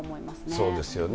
そうですよね。